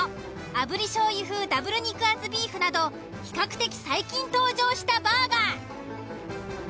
炙り醤油風ダブル肉厚ビーフなど比較的最近登場したバーガー。